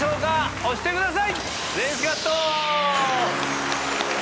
押してください。